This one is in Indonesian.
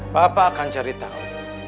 papa akan cari tahu